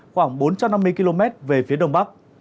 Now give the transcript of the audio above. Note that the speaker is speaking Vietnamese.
khoảng bốn trăm năm mươi km về phía đông bắc